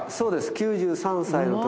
９３歳の時！？